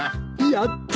やった！